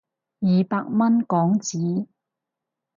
二百蚊港紙